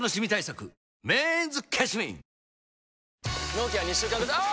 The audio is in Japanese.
納期は２週間後あぁ！！